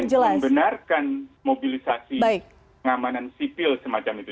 saya juga ingin membenarkan mobilisasi pengamanan sipil semacam itu